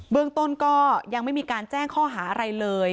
เรื่องต้นก็ยังไม่มีการแจ้งข้อหาอะไรเลย